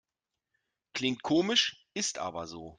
Klingt komisch, ist aber so.